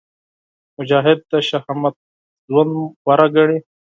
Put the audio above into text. مجاهد د شهامت ژوند غوره ګڼي.